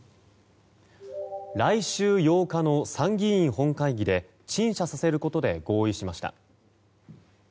来週８日の参議院本会議で陳謝させることで合意しました。